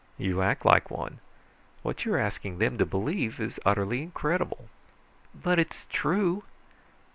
You act like one. What you're asking them to believe is utterly incredible." "_But it's true.